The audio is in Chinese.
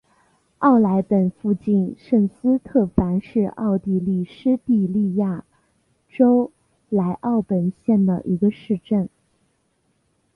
莱奥本附近圣斯特凡是奥地利施蒂利亚州莱奥本县的一个市镇。